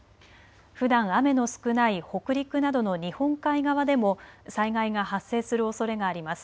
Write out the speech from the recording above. ふだん雨の少ない北陸などの日本海側でも災害が発生するおそれがあります。